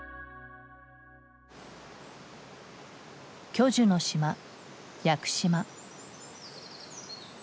巨樹の島屋久島。